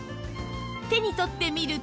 手に取ってみると